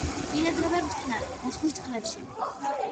ბინადრობენ მტკნარ და ზღვის წყლებში.